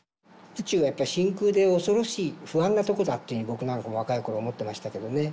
宇宙はやっぱ真空で恐ろしい不安なとこだっていう僕なんか若い頃思ってましたけどね。